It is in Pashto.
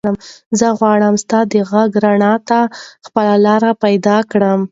زه غواړم ستا د غږ رڼا ته خپله لاره پیدا کړم.